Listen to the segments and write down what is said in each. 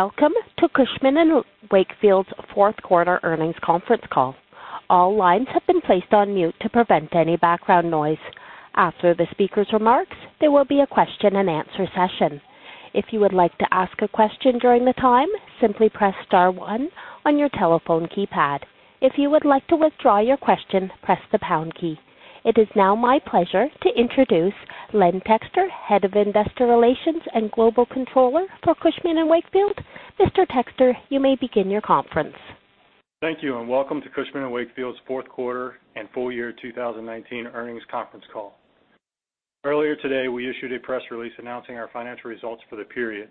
Welcome to Cushman & Wakefield's Fourth Quarter Earnings Conference Call. All lines have been placed on mute to prevent any background noise. After the speaker's remarks, there will be a question and answer session. If you would like to ask a question during the time, simply press star one on your telephone keypad. If you would like to withdraw your question, press the pound key. It is now my pleasure to introduce Len Texter, Head of Investor Relations and Global Controller for Cushman & Wakefield. Mr. Texter, you may begin your conference. Thank you, welcome to Cushman & Wakefield's Fourth Quarter and Full Year 2019 Earnings Conference Call. Earlier today, we issued a press release announcing our financial results for the period.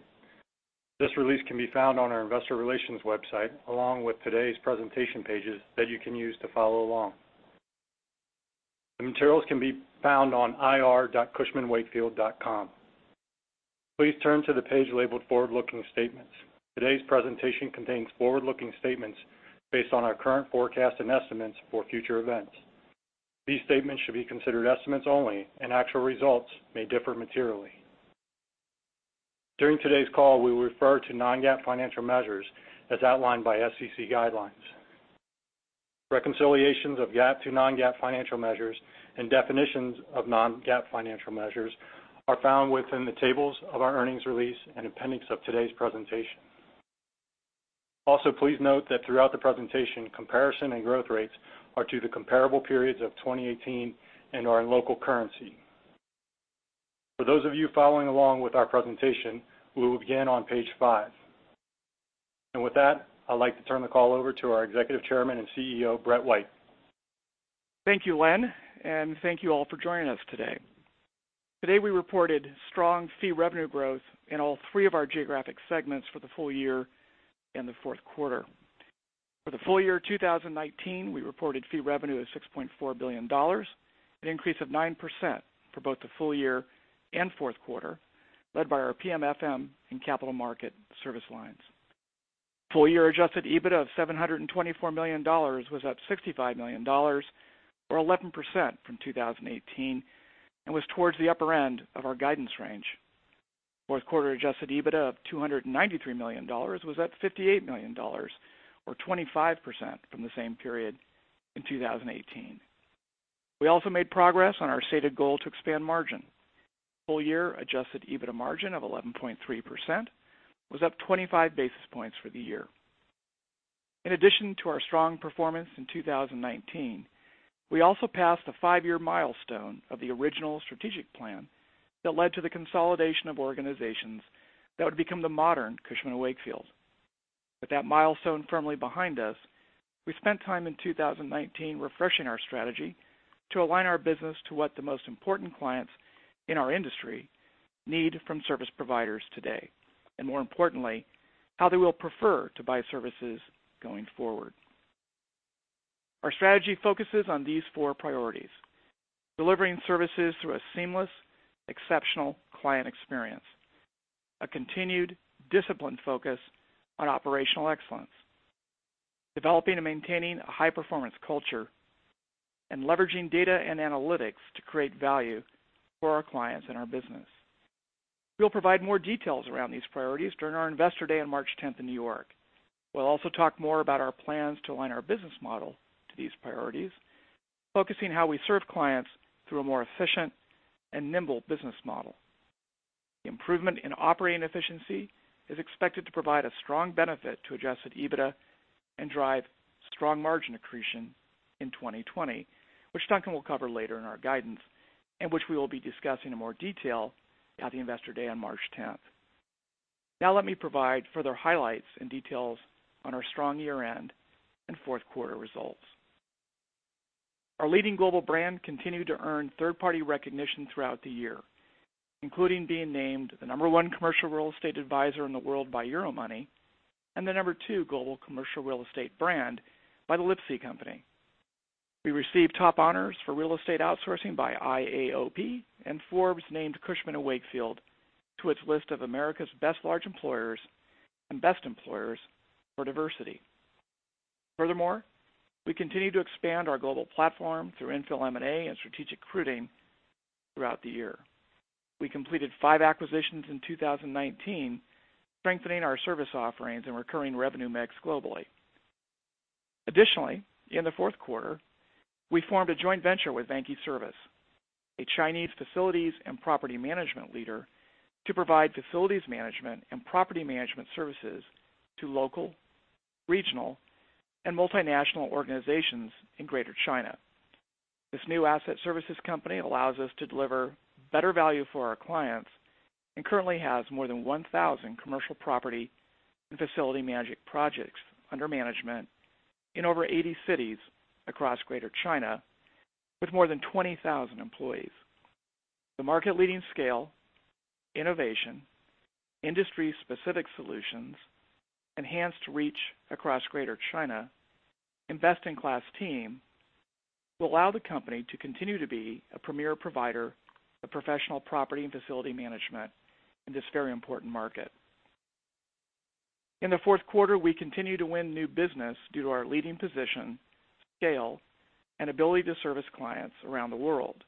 This release can be found on our investor relations website, along with today's presentation pages that you can use to follow along. The materials can be found on ir.cushmanwakefield.com. Please turn to the page labeled Forward Looking Statements. Today's presentation contains forward-looking statements based on our current forecasts and estimates for future events. These statements should be considered estimates only, and actual results may differ materially. During today's call, we will refer to non-GAAP financial measures as outlined by SEC guidelines. Reconciliations of GAAP to non-GAAP financial measures and definitions of non-GAAP financial measures are found within the tables of our earnings release and appendix of today's presentation. Also, please note that throughout the presentation, comparison and growth rates are to the comparable periods of 2018 and are in local currency. For those of you following along with our presentation, we will begin on page 5. With that, I'd like to turn the call over to our Executive Chairman and CEO, Brett White. Thank you, Len, and thank you all for joining us today. Today, we reported strong fee revenue growth in all three of our geographic segments for the full year and the fourth quarter. For the full year 2019, we reported fee revenue of $6.4 billion, an increase of 9% for both the full year and fourth quarter, led by our PMFM and capital markets service lines. Full year Adjusted EBITDA of $724 million was up $65 million, or 11%, from 2018, and was towards the upper end of our guidance range. Fourth quarter Adjusted EBITDA of $293 million was up $58 million, or 25%, from the same period in 2018. We also made progress on our stated goal to expand margin. Full year Adjusted EBITDA margin of 11.3% was up 25 basis points for the year. In addition to our strong performance in 2019, we also passed the five-year milestone of the original strategic plan that led to the consolidation of organizations that would become the modern Cushman & Wakefield. With that milestone firmly behind us, we spent time in 2019 refreshing our strategy to align our business to what the most important clients in our industry need from service providers today, and more importantly, how they will prefer to buy services going forward. Our strategy focuses on these four priorities. Delivering services through a seamless, exceptional client experience, a continued disciplined focus on operational excellence, developing and maintaining a high-performance culture, and leveraging data and analytics to create value for our clients and our business. We'll provide more details around these priorities during our Investor Day on March 10th in New York. We'll also talk more about our plans to align our business model to these priorities, focusing how we serve clients through a more efficient and nimble business model. The improvement in operating efficiency is expected to provide a strong benefit to Adjusted EBITDA and drive strong margin accretion in 2020, which Duncan will cover later in our guidance and which we will be discussing in more detail at the Investor Day on March 10th. Let me provide further highlights and details on our strong year-end and fourth quarter results. Our leading global brand continued to earn third-party recognition throughout the year, including being named the number one commercial real estate advisor in the world by Euromoney and the number two global commercial real estate brand by The Lipsey Company. We received top honors for real estate outsourcing by IAOP, and Forbes named Cushman & Wakefield to its list of America's best large employers and best employers for diversity. Furthermore, we continue to expand our global platform through infill M&A and strategic recruiting throughout the year. We completed five acquisitions in 2019, strengthening our service offerings and recurring revenue mix globally. Additionally, in the fourth quarter, we formed a joint venture with Vanke Service, a Chinese facilities and property management leader, to provide facilities management and property management services to local, regional, and multinational organizations in Greater China. This new asset services company allows us to deliver better value for our clients and currently has more than 1,000 commercial property and facility management projects under management in over 80 cities across Greater China with more than 20,000 employees. The market-leading scale, innovation, industry-specific solutions, enhanced reach across Greater China, and best-in-class team will allow the company to continue to be a premier provider of professional property and facility management in this very important market. In the fourth quarter, we continued to win new business due to our leading position, scale, and ability to service clients around the world.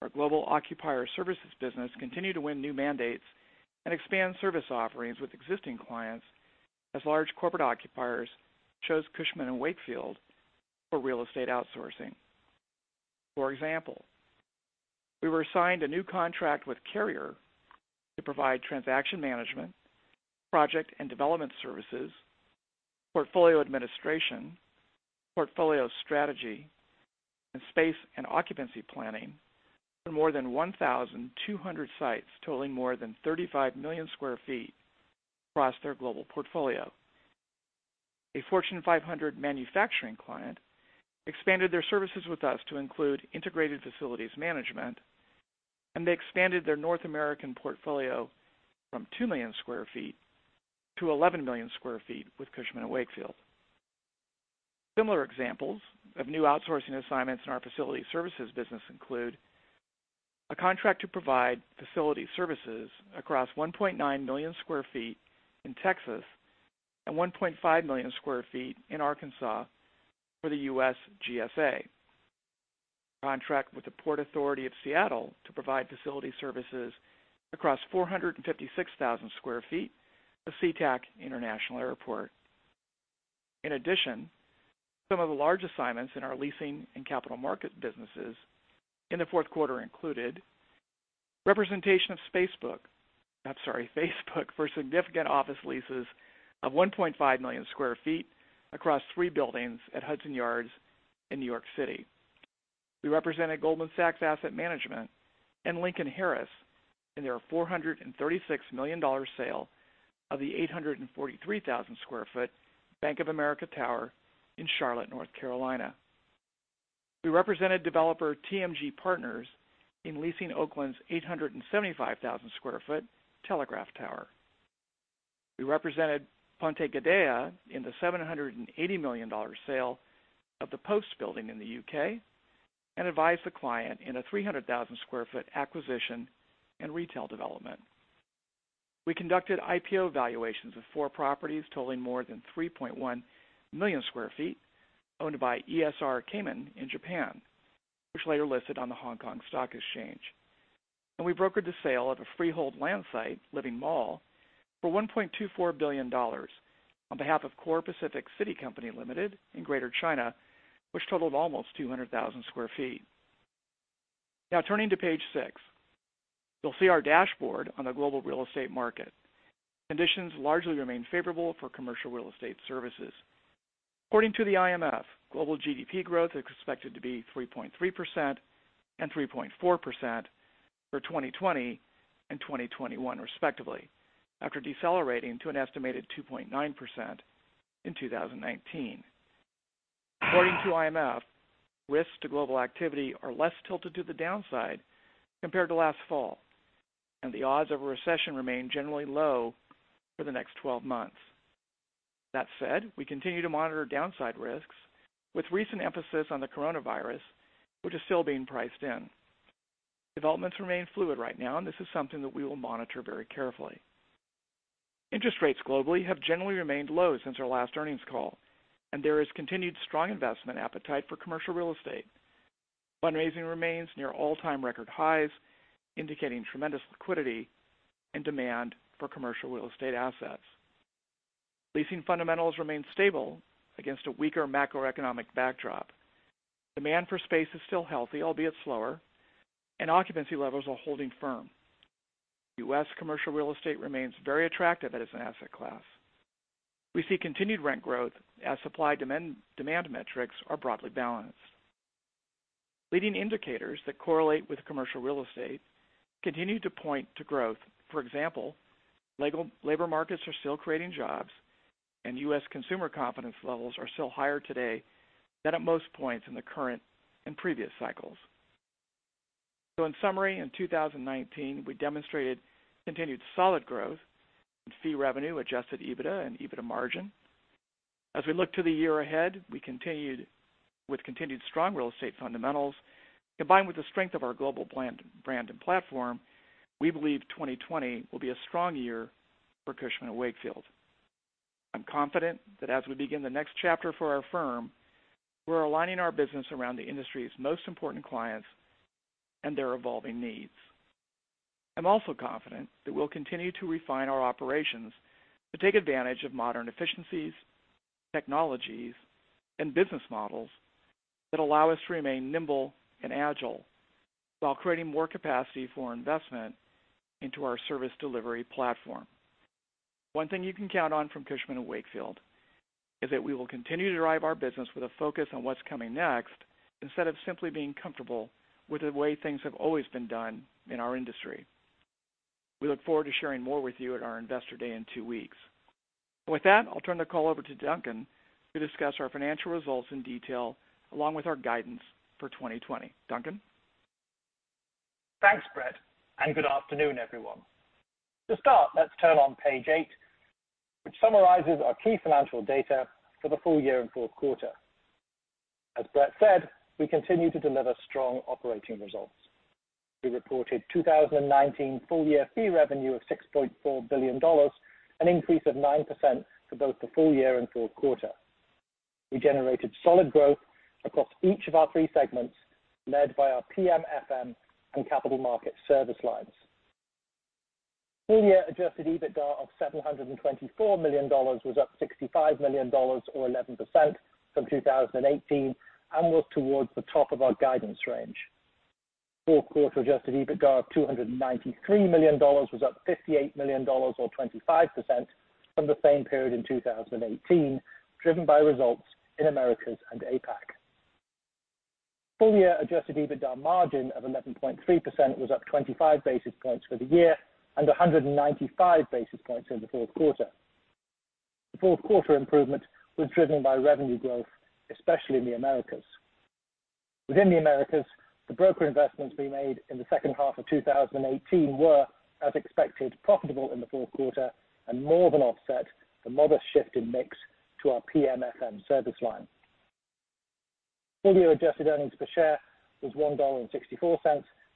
Our Global Occupier Services business continue to win new mandates and expand service offerings with existing clients as large corporate occupiers chose Cushman & Wakefield for real estate outsourcing. For example, we were assigned a new contract with Carrier to provide transaction management, Project and Development Services, portfolio administration, portfolio strategy, and space and occupancy planning for more than 1,200 sites totaling more than 35 million square feet across their global portfolio. A Fortune 500 manufacturing client expanded their services with us to include Integrated Facilities Management, and they expanded their North American portfolio from 2 million sq ft-11 million sq ft with Cushman & Wakefield. Similar examples of new outsourcing assignments in our Facilities Services business include a contract to provide Facilities Services across 1.9 million sq ft in Texas and 1.5 million sq ft in Arkansas for the U.S. GSA. Contract with the Port Authority of Seattle to provide Facilities Services across 456,000 sq ft of Sea-Tac International Airport. In, addition, some of the large assignments in our Leasing and Capital Markets businesses in the fourth quarter included representation of Facebook for significant office leases of 1.5 million sq ft across three buildings at Hudson Yards in New York City. We represented Goldman Sachs Asset Management and Lincoln Harris in their $436 million sale of the 843,000 square foot Bank of America Tower in Charlotte, North Carolina. We represented developer TMG Partners in leasing Oakland's 875,000 square foot Telegraph Tower. We represented Ponte Gadea in the $780 million sale of the Post Building in the U.K. and advised the client in a 300,000 square foot acquisition and retail development. We conducted IPO valuations of four properties totaling more than 3.1 million square feet owned by ESR Cayman in Japan, which later listed on the Hong Kong Stock Exchange. We brokered the sale of a freehold land site living mall for $1.24 billion on behalf of Core Pacific City Co., Ltd. in Greater China, which totaled almost 200,000 square feet. Turning to page 6, you'll see our dashboard on the global real estate market. Conditions largely remain favorable for commercial real estate services. According to the IMF, global GDP growth is expected to be 3.3% and 3.4% for 2020 and 2021, respectively, after decelerating to an estimated 2.9% in 2019. According to IMF, risks to global activity are less tilted to the downside compared to last fall, and the odds of a recession remain generally low for the next 12 months. That said, we continue to monitor downside risks with recent emphasis on the coronavirus, which is still being priced in. Developments remain fluid right now, and this is something that we will monitor very carefully. Interest rates globally have generally remained low since our last earnings call, and there is continued strong investment appetite for commercial real estate. Fundraising remains near all-time record highs, indicating tremendous liquidity and demand for commercial real estate assets. Leasing fundamentals remain stable against a weaker macroeconomic backdrop. Demand for space is still healthy, albeit slower, and occupancy levels are holding firm. U.S. commercial real estate remains very attractive as an asset class. We see continued rent growth as supply/demand metrics are broadly balanced. Leading indicators that correlate with commercial real estate continue to point to growth. For example, labor markets are still creating jobs, and U.S. consumer confidence levels are still higher today than at most points in the current and previous cycles. In summary, in 2019, we demonstrated continued solid growth in fee revenue, Adjusted EBITDA, and EBITDA margin. As we look to the year ahead, with continued strong real estate fundamentals, combined with the strength of our global brand and platform, we believe 2020 will be a strong year for Cushman & Wakefield. I'm confident that as we begin the next chapter for our firm, we're aligning our business around the industry's most important clients and their evolving needs. I'm also confident that we'll continue to refine our operations to take advantage of modern efficiencies, technologies, and business models that allow us to remain nimble and agile while creating more capacity for investment into our service delivery platform. One thing you can count on from Cushman & Wakefield is that we will continue to drive our business with a focus on what's coming next instead of simply being comfortable with the way things have always been done in our industry. We look forward to sharing more with you at our Investor Day in two weeks. With that, I'll turn the call over to Duncan to discuss our financial results in detail, along with our guidance for 2020. Duncan? Thanks, Brett, and good afternoon, everyone. To start, let's turn on page 8, which summarizes our key financial data for the full year and fourth quarter. As Brett said, we continue to deliver strong operating results. We reported 2019 full-year fee revenue of $6.4 billion, an increase of 9% for both the full year and fourth quarter. We generated solid growth across each of our three segments, led by our PMFM and Capital Markets service lines. Full-year Adjusted EBITDA of $724 million was up $65 million, or 11%, from 2018, and was towards the top of our guidance range. Fourth quarter Adjusted EBITDA of $293 million was up $58 million, or 25%, from the same period in 2018, driven by results in Americas and APAC. Full year Adjusted EBITDA margin of 11.3% was up 25 basis points for the year and 195 basis points in the fourth quarter. The fourth quarter improvement was driven by fee revenue growth, especially in the Americas. Within the Americas, the broker investments we made in the second half of 2018 were, as expected, profitable in the fourth quarter and more than offset the modest shift in mix to our PMFM service line. Full-year adjusted earnings per share was $1.64,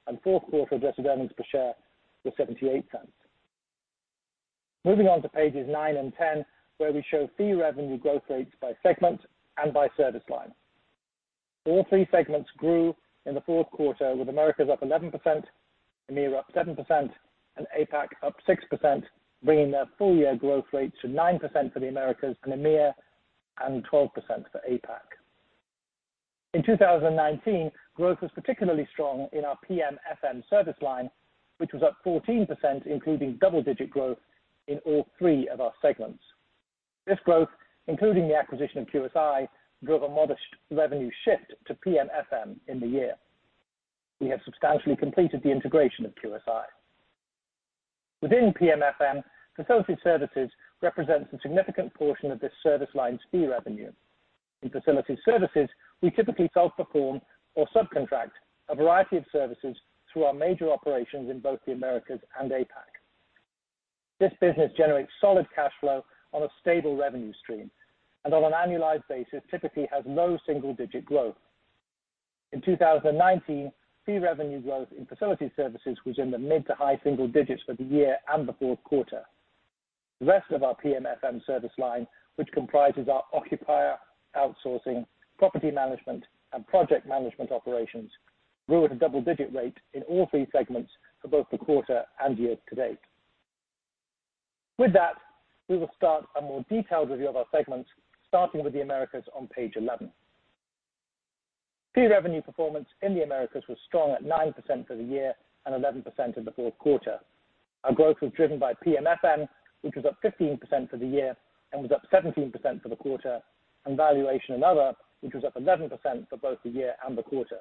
and fourth quarter adjusted earnings per share was $0.78. Moving on to pages 9 and 10, where we show fee revenue growth rates by segment and by service line. All three segments grew in the fourth quarter, with Americas up 11%, EMEA up 7%, and APAC up 6%, bringing their full-year growth rates to 9% for the Americas and EMEA and 12% for APAC. In 2019, growth was particularly strong in our PMFM service line, which was up 14%, including double-digit growth in all three of our segments. This growth, including the acquisition of QSI, drove a modest revenue shift to PMFM in the year. We have substantially completed the integration of QSI. Within PMFM, Facilities Services represents a significant portion of this service line's fee revenue. In Facilities Services, we typically self-perform or subcontract a variety of services through our major operations in both the Americas and APAC. This business generates solid cash flow on a stable revenue stream, and on an annualized basis, typically has low single-digit growth. In 2019, fee revenue growth in Facilities Services was in the mid to high single digits for the year and the fourth quarter. The rest of our PMFM service line, which comprises our occupier, outsourcing, Property management, and Project management operations, grew at a double-digit rate in all three segments for both the quarter and year to date. With that, we will start a more detailed review of our segments, starting with the Americas on page 11. Fee revenue performance in the Americas was strong at 9% for the year and 11% in the fourth quarter. Our growth was driven by PMFM, which was up 15% for the year and was up 17% for the quarter, and Valuation and other, which was up 11% for both the year and the quarter.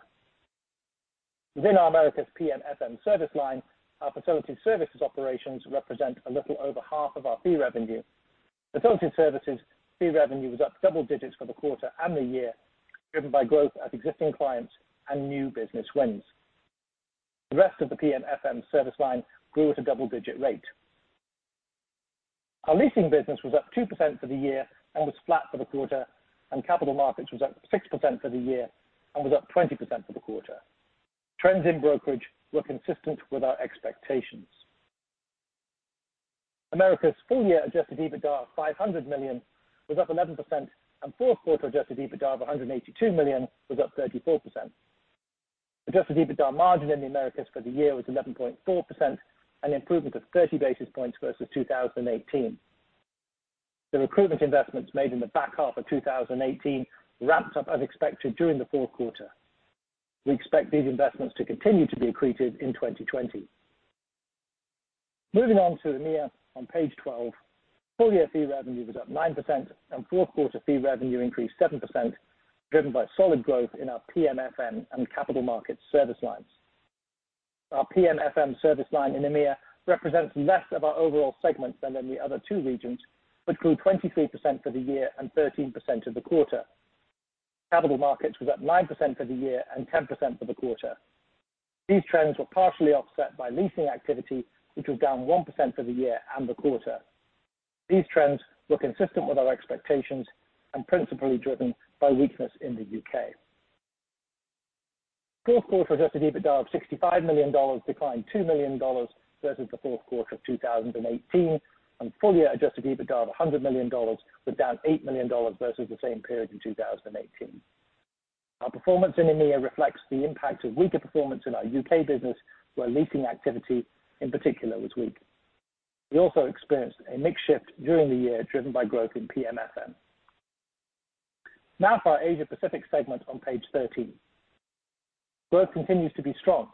Within our Americas PMFM service line, our Facilities Services operations represent a little over half of our fee revenue. Facilities Services fee revenue was up double digits for the quarter and the year, driven by growth at existing clients and new business wins. The rest of the PMFM service line grew at a double-digit rate. Our leasing business was up 2% for the year and was flat for the quarter, and capital markets was up 6% for the year and was up 20% for the quarter. Trends in brokerage were consistent with our expectations. Americas' full-year Adjusted EBITDA of $500 million was up 11%, and fourth quarter Adjusted EBITDA of $182 million was up 34%. Adjusted EBITDA margin in the Americas for the year was 11.4%, an improvement of 30 basis points versus 2018. The recruitment investments made in the back half of 2018 ramped up as expected during the fourth quarter. We expect these investments to continue to be accretive in 2020. Moving on to EMEA on page 12. Full-year fee revenue was up 9%, and fourth quarter fee revenue increased 7%, driven by solid growth in our PMFM and capital markets service lines. Our PMFM service line in EMEA represents less of our overall segments than in the other two regions, grew 23% for the year and 13% in the quarter. Capital Markets was up 9% for the year and 10% for the quarter. These trends were partially offset by Leasing activity, which was down 1% for the year and the quarter. These trends were consistent with our expectations and principally driven by weakness in the U.K. Fourth quarter Adjusted EBITDA of $65 million declined $2 million versus the fourth quarter of 2018, and full-year Adjusted EBITDA of $100 million was down $8 million versus the same period in 2018. Our performance in EMEA reflects the impact of weaker performance in our U.K. business, where Leasing activity, in particular, was weak. We also experienced a mix shift during the year driven by growth in PMFM. Now for our Asia Pacific segment on page 13. Growth continues to be strong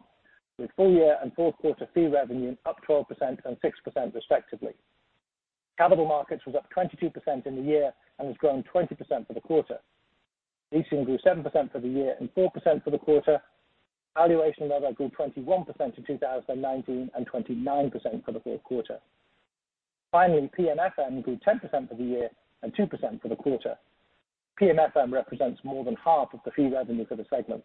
with full-year and fourth quarter fee revenue up 12% and 6% respectively. Capital Markets was up 22% in the year and has grown 20% for the quarter. Leasing grew 7% for the year and 4% for the quarter. Valuation and Other grew 21% in 2019 and 29% for the fourth quarter. Finally, PMFM grew 10% for the year and 2% for the quarter. PMFM represents more than half of the fee revenue for the segment.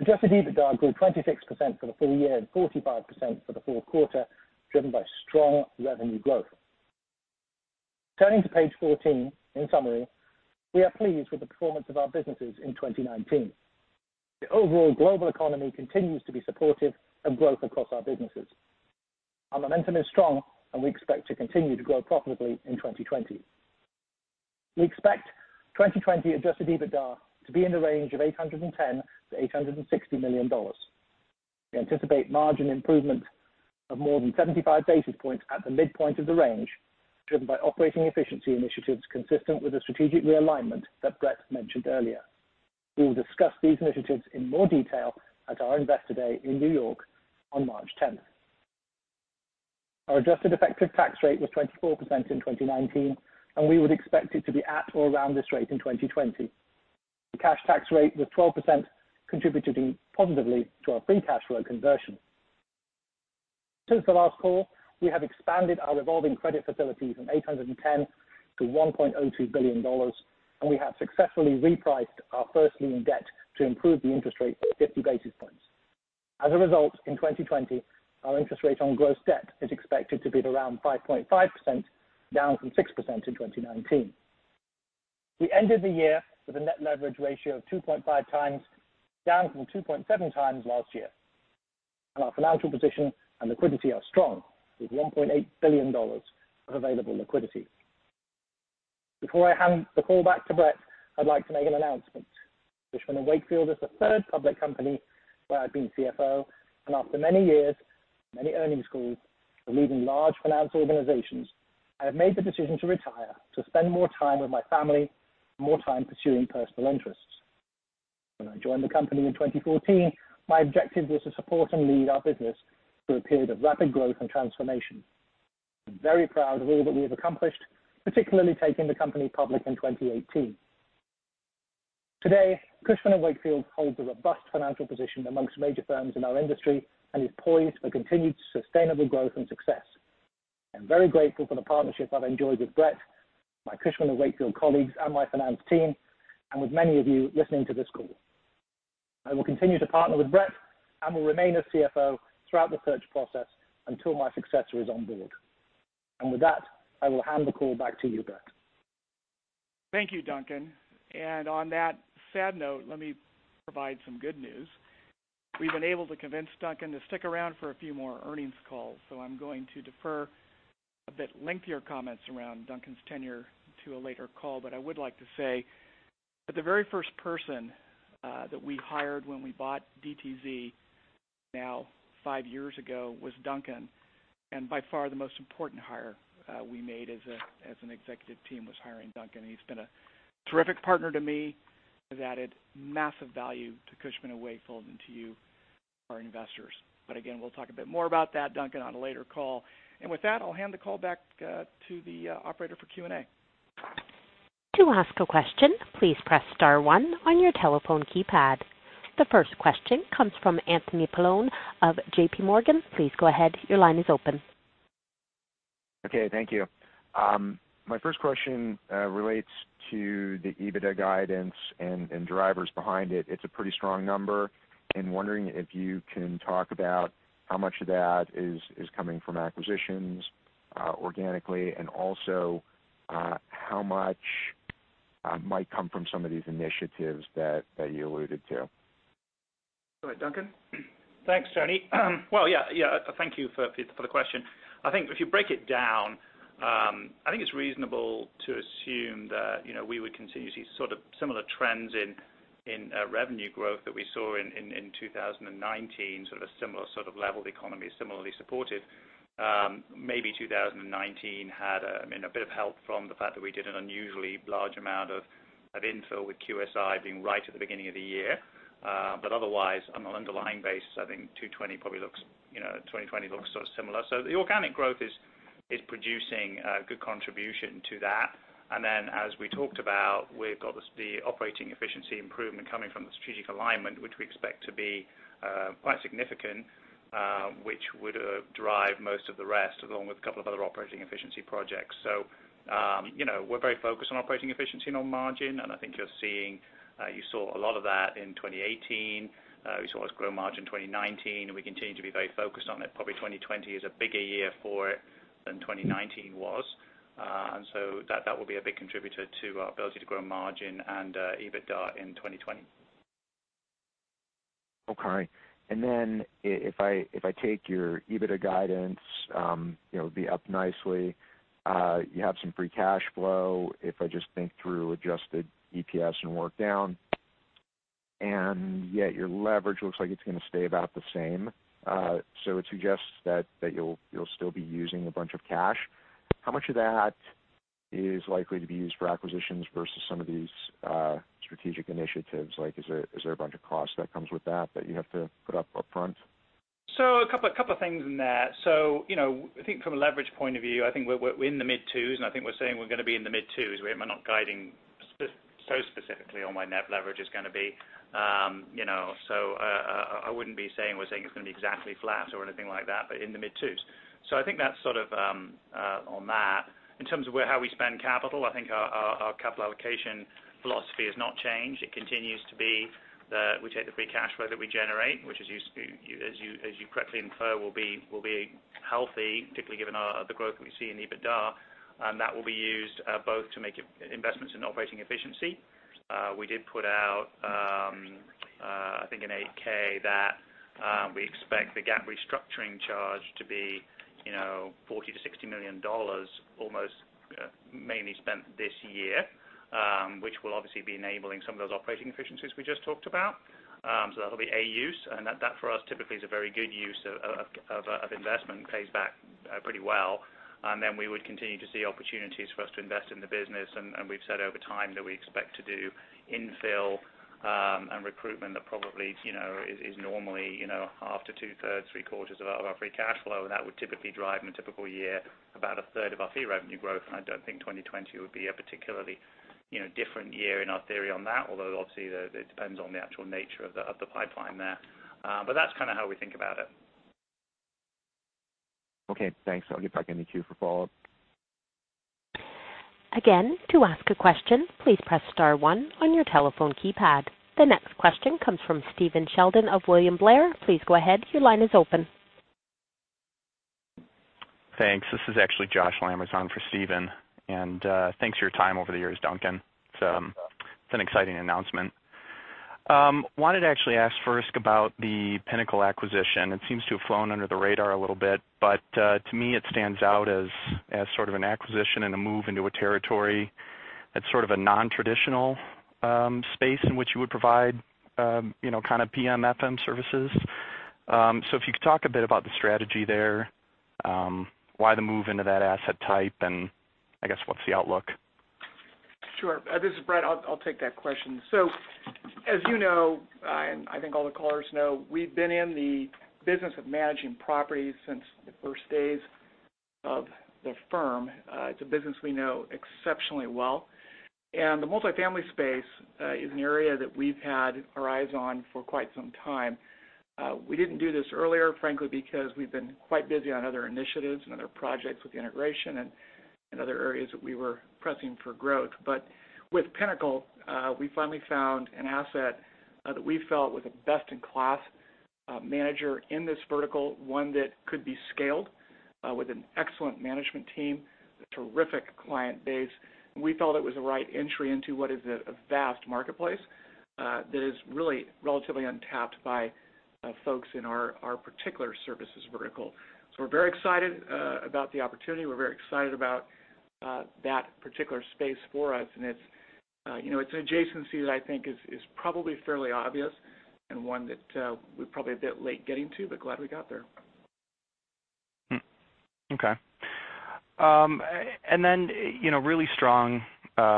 Adjusted EBITDA grew 26% for the full year and 45% for the fourth quarter, driven by strong revenue growth. Turning to page 14, in summary, we are pleased with the performance of our businesses in 2019. The overall global economy continues to be supportive of growth across our businesses. Our momentum is strong, and we expect to continue to grow profitably in 2020. We expect 2020 Adjusted EBITDA to be in the range of $810 million-$860 million. We anticipate margin improvement of more than 75 basis points at the midpoint of the range, driven by operating efficiency initiatives consistent with the strategic realignment that Brett mentioned earlier. We will discuss these initiatives in more detail at our Investor Day in New York on March 10th. Our adjusted effective tax rate was 24% in 2019, and we would expect it to be at or around this rate in 2020. The cash tax rate was 12%, contributing positively to our free cash flow conversion. Since the last call, we have expanded our revolving credit facility from 810 to $1.02 billion, and we have successfully repriced our first lien debt to improve the interest rate by 50 basis points. As a result, in 2020, our interest rate on gross debt is expected to be at around 5.5%, down from 6% in 2019. We ended the year with a net leverage ratio of 2.5 times, down from 2.7 times last year. Our financial position and liquidity are strong, with $1.8 billion of available liquidity. Before I hand the call back to Brett, I would like to make an announcement. Cushman & Wakefield is the third public company where I have been CFO, and after many years, many earnings calls, and leading large finance organizations, I have made the decision to retire to spend more time with my family and more time pursuing personal interests. When I joined the company in 2014, my objective was to support and lead our business through a period of rapid growth and transformation. I'm very proud of all that we have accomplished, particularly taking the company public in 2018. Today, Cushman & Wakefield holds a robust financial position amongst major firms in our industry and is poised for continued sustainable growth and success. I'm very grateful for the partnership I've enjoyed with Brett, my Cushman & Wakefield colleagues, and my finance team, and with many of you listening to this call. I will continue to partner with Brett and will remain as CFO throughout the search process until my successor is on board. With that, I will hand the call back to you, Brett. Thank you, Duncan. On that sad note, let me provide some good news. We've been able to convince Duncan to stick around for a few more earnings calls. I'm going to defer a bit lengthier comments around Duncan's tenure to a later call. I would like to say that the very first person that we hired when we bought DTZ, now five years ago, was Duncan, and by far, the most important hire we made as an executive team was hiring Duncan. He's been a terrific partner to me, has added massive value to Cushman & Wakefield and to you, our investors. Again, we'll talk a bit more about that, Duncan, on a later call. With that, I'll hand the call back to the operator for Q&A. To ask a question, please press star one on your telephone keypad. The first question comes from Anthony Paolone of J.P. Morgan. Please go ahead. Your line is open. Okay. Thank you. My first question relates to the EBITDA guidance and drivers behind it. It's a pretty strong number. I'm wondering if you can talk about how much of that is coming from acquisitions organically, and also how much might come from some of these initiatives that you alluded to. All right, Duncan? Thanks, Tony. Well, yeah. Thank you for the question. I think if you break it down, I think it's reasonable to assume that we would continue to see sort of similar trends in revenue growth that we saw in 2019, sort of similar level economy, similarly supported. Maybe 2019 had a bit of help from the fact that we did an unusually large amount of infill with QSI being right at the beginning of the year. Otherwise, on an underlying basis, I think 2020 looks sort of similar. The organic growth is producing a good contribution to that. Then, as we talked about, we've got the operating efficiency improvement coming from the strategic alignment, which we expect to be quite significant, which would drive most of the rest, along with a couple of other operating efficiency projects. We're very focused on operating efficiency and on margin, and I think you saw a lot of that in 2018. You saw us grow margin 2019, and we continue to be very focused on it. Probably 2020 is a bigger year for it than 2019 was. That will be a big contributor to our ability to grow margin and EBITDA in 2020. Okay. If I take your EBITDA guidance, it'll be up nicely. You have some free cash flow if I just think through adjusted EPS and work down. Your leverage looks like it's going to stay about the same. It suggests that you'll still be using a bunch of cash. How much of that is likely to be used for acquisitions versus some of these strategic initiatives? Is there a bunch of cost that comes with that that you have to put up upfront? A couple of things in there. I think from a leverage point of view, I think we're in the mid-2s, and I think we're saying we're going to be in the mid-2s. We're not guiding so specifically on where net leverage is going to be. I wouldn't be saying we're saying it's going to be exactly flat or anything like that, but in the mid-2s. I think that's sort of on that. In terms of how we spend capital, I think our capital allocation philosophy has not changed. It continues to be that we take the free cash flow that we generate, which as you correctly infer, will be healthy, particularly given the growth that we see in Adjusted EBITDA, and that will be used both to make investments in operating efficiency. We did put out I think in 8-K that we expect the GAAP restructuring charge to be $40 million-$60 million almost mainly spent this year, which will obviously be enabling some of those operating efficiencies we just talked about. That'll be a use, and that, for us, typically is a very good use of investment and pays back pretty well. We would continue to see opportunities for us to invest in the business, and we've said over time that we expect to do infill, and recruitment are probably normally, half to two-thirds, three-quarters of our free cash flow. That would typically drive in a typical year about a third of our fee revenue growth, and I don't think 2020 would be a particularly different year in our theory on that. Obviously, it depends on the actual nature of the pipeline there. That's how we think about it. Okay, thanks. I'll get back in the queue for follow-up. Again, to ask a question, please press star one on your telephone keypad. The next question comes from Steven Sheldon of William Blair. Please go ahead. Your line is open. Thanks. This is actually Josh Lamers on for Stephen. Thanks for your time over the years, Duncan. No problem. It's an exciting announcement. Wanted to actually ask first about the Pinnacle acquisition. It seems to have flown under the radar a little bit, but to me, it stands out as sort of an acquisition and a move into a territory that's sort of a non-traditional space in which you would provide kind of PMFM services. If you could talk a bit about the strategy there. Why the move into that asset type, and I guess what's the outlook? Sure. This is Brett. I'll take that question. As you know, and I think all the callers know, we've been in the business of managing properties since the first days of the firm. It's a business we know exceptionally well. The multi-family space is an area that we've had our eyes on for quite some time. We didn't do this earlier, frankly, because we've been quite busy on other initiatives and other projects with the integration and other areas that we were pressing for growth. With Pinnacle, we finally found an asset that we felt was a best-in-class manager in this vertical, one that could be scaled with an excellent management team, a terrific client base, and we felt it was the right entry into what is a vast marketplace that is really relatively untapped by folks in our particular services vertical. We're very excited about the opportunity. We're very excited about that particular space for us, and it's an adjacency that I think is probably fairly obvious and one that we're probably a bit late getting to, but glad we got there. Okay. Really strong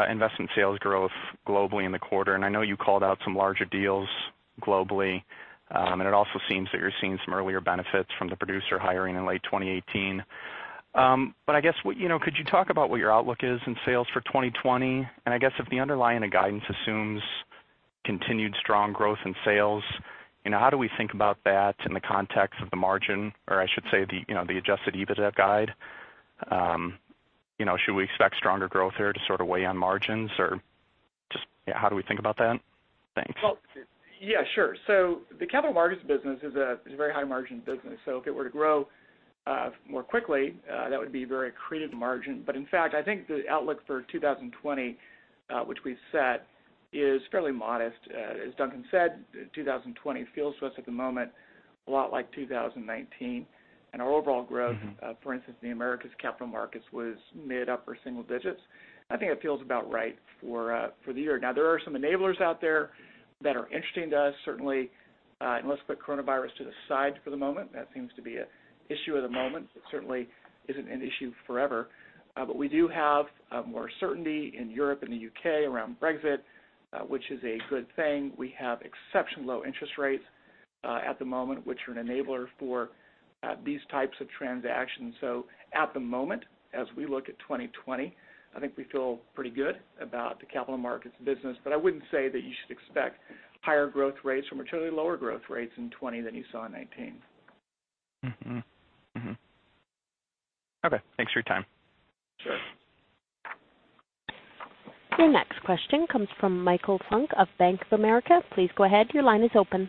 investment sales growth globally in the quarter, and I know you called out some larger deals globally. It also seems that you're seeing some earlier benefits from the producer hiring in late 2018. I guess could you talk about what your outlook is in sales for 2020? I guess if the underlying of guidance assumes continued strong growth in sales, how do we think about that in the context of the margin? I should say the Adjusted EBITDA guide. Should we expect stronger growth here to sort of weigh on margins, or just how do we think about that? Thanks. Well, yeah, sure. The capital markets business is a very high-margin business. If it were to grow more quickly, that would be very accretive to margin. In fact, I think the outlook for 2020, which we've set, is fairly modest. As Duncan said, 2020 feels to us at the moment a lot like 2019, and our overall growth, for instance, in the Americas capital markets was mid upper single digits. I think it feels about right for the year. There are some enablers out there that are interesting to us, certainly, and let's put coronavirus to the side for the moment. That seems to be an issue of the moment. It certainly isn't an issue forever. We do have more certainty in Europe and the U.K. around Brexit, which is a good thing. We have exceptionally low interest rates at the moment, which are an enabler for these types of transactions. At the moment, as we look at 2020, I think we feel pretty good about the Capital Markets business. I wouldn't say that you should expect higher growth rates or materially lower growth rates in 2020 than you saw in 2019. Okay, thanks for your time. Sure. Your next question comes from Michael Funk of Bank of America. Please go ahead. Your line is open.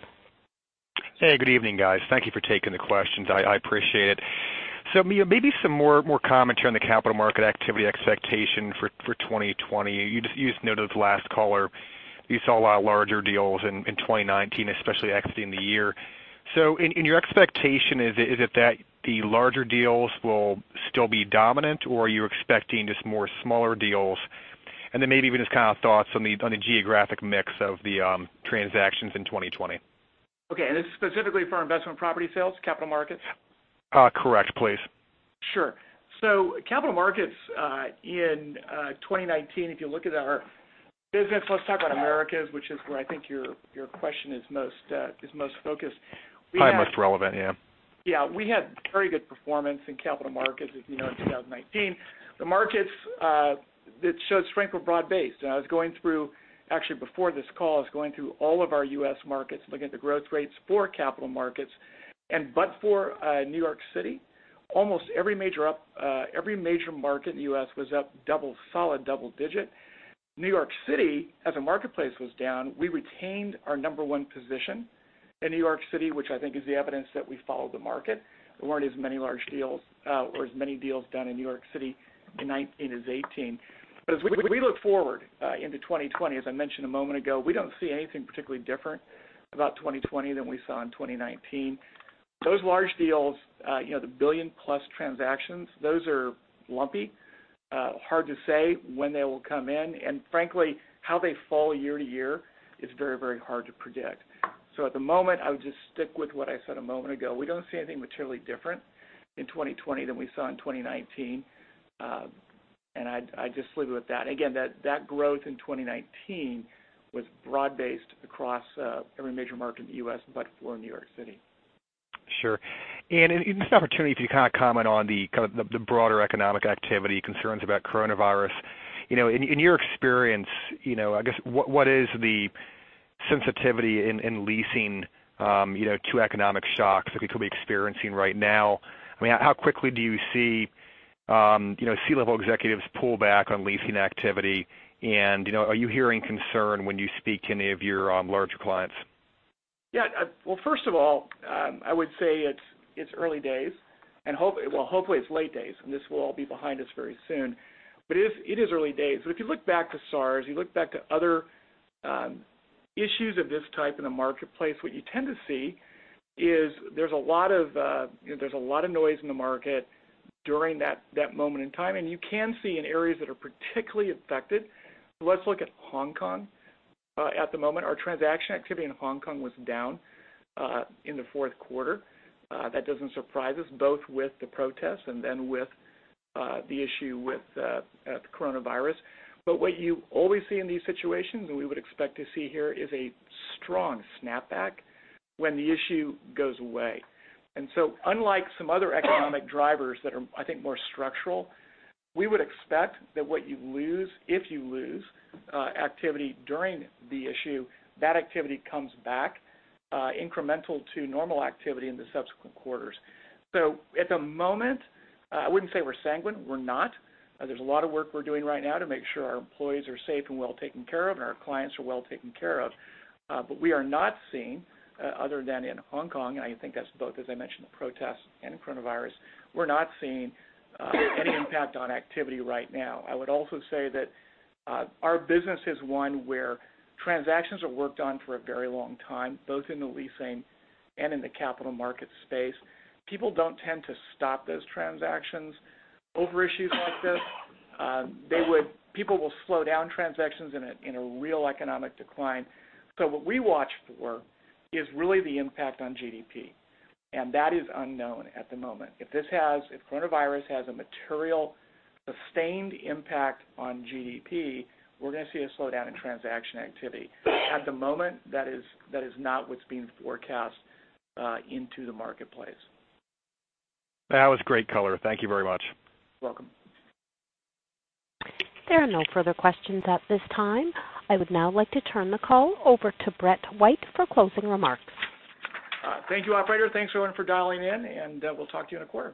Hey, good evening, guys. Thank you for taking the questions. I appreciate it. Maybe some more commentary on the capital markets activity expectation for 2020. You just noted with the last caller you saw a lot larger deals in 2019, especially exiting the year. In your expectation, is it that the larger deals will still be dominant, or are you expecting just more smaller deals? Maybe even just kind of thoughts on the geographic mix of the transactions in 2020. Okay, this is specifically for investment property sales, capital markets? Correct, please. Sure. Capital markets in 2019, if you look at our business, let's talk about Americas, which is where I think your question is most focused. Probably most relevant, yeah. Yeah. We had very good performance in capital markets, as you know, in 2019. The markets that showed strength were broad-based. I was going through, actually before this call, I was going through all of our U.S. markets, looking at the growth rates for capital markets. But for New York City, almost every major market in the U.S. was up solid double-digit. New York City as a marketplace was down. We retained our number one position in New York City, which I think is the evidence that we followed the market. There weren't as many large deals or as many deals done in New York City in 2019 as 2018. As we look forward into 2020, as I mentioned a moment ago, we don't see anything particularly different about 2020 than we saw in 2019. Those large deals, the billion-plus transactions, those are lumpy, hard to say when they will come in, and frankly, how they fall year to year is very hard to predict. At the moment, I would just stick with what I said a moment ago. We don't see anything materially different in 2020 than we saw in 2019. I'd just leave it with that. Again, that growth in 2019 was broad-based across every major market in the U.S. but for New York City. Sure. In this opportunity to kind of comment on the kind of the broader economic activity concerns about coronavirus. In your experience, I guess, what is the sensitivity in leasing to economic shocks like we could be experiencing right now? How quickly do you see C-level executives pull back on leasing activity? Are you hearing concern when you speak to any of your larger clients? Yeah. Well, first of all, I would say it's early days, and well, hopefully it's late days, and this will all be behind us very soon. It is early days. If you look back to SARS, you look back to other issues of this type in the marketplace, what you tend to see is there's a lot of noise in the market during that moment in time, and you can see in areas that are particularly affected. Let's look at Hong Kong. At the moment, our transaction activity in Hong Kong was down in the fourth quarter. That doesn't surprise us, both with the protests and then with the issue with the coronavirus. What you always see in these situations, and we would expect to see here, is a strong snapback when the issue goes away. Unlike some other economic drivers that are, I think, more structural, we would expect that what you lose, if you lose activity during the issue, that activity comes back incremental to normal activity in the subsequent quarters. At the moment, I wouldn't say we're sanguine. We're not. There's a lot of work we're doing right now to make sure our employees are safe and well taken care of, and our clients are well taken care of. We are not seeing, other than in Hong Kong, and I think that's both, as I mentioned, the protests and coronavirus, we're not seeing any impact on activity right now. I would also say that our business is one where transactions are worked on for a very long time, both in the leasing and in the capital markets space. People don't tend to stop those transactions over issues like this. People will slow down transactions in a real economic decline. What we watch for is really the impact on GDP, and that is unknown at the moment. If coronavirus has a material, sustained impact on GDP, we're going to see a slowdown in transaction activity. At the moment, that is not what's being forecast into the marketplace. That was great color. Thank you very much. You're welcome. There are no further questions at this time. I would now like to turn the call over to Brett White for closing remarks. Thank you, operator. Thanks everyone for dialing in, and we'll talk to you in a quarter.